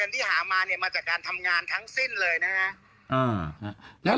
ที่หามาเนี่ยมาจากการทำงานทั้งสิ้นเลยนะฮะ